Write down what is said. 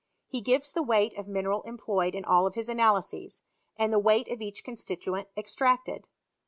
He gives the weight of mineral employed in all his analyses, and the weight of each constituent extracted.